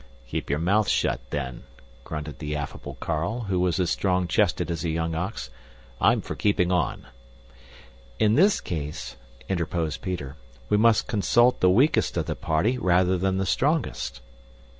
"Keep your mouth shut, then," grunted the affable Carl, who was as strong chested as a young ox. "I'm for keeping on." "In this case," interposed Peter, "we must consul the weakest of the party rather than the strongest."